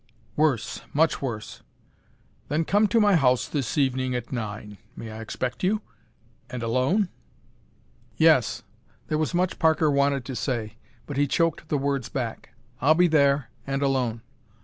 "Worse! Much worse!" "Then come to my house this evening at nine. May I expect you? And alone?" "Yes." There was much Parker wanted to say, but he choked the words back. "I'll be there, and alone."